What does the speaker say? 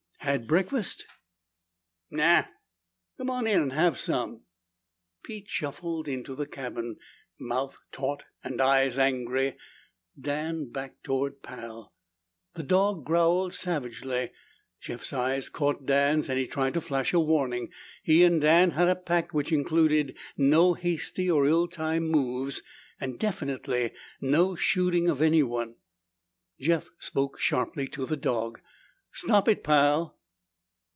"Had breakfast?" "Nao." "Come on in and have some." Pete shuffled into the cabin. Mouth taut and eyes angry, Dan backed toward Pal. The dog growled savagely. Jeff's eyes caught Dan's and he tried to flash a warning. He and Dan had a pact which included no hasty or ill timed moves and definitely no shooting of anyone. Jeff spoke sharply to the dog. "Stop it, Pal!"